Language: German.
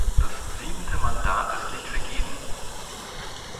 Das siebente Mandat ist nicht vergeben.